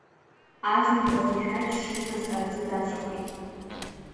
Азныказ ишәақь шимаз аӡы даҵәахит.